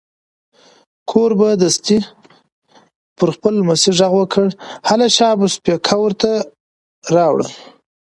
کوربه دستي پر خپل لمسي غږ وکړ: هله شابه پیکه ور ته راوړه.